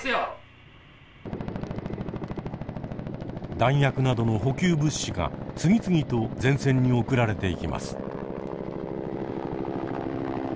弾薬などの補給物資が次々と前線に送られていきます。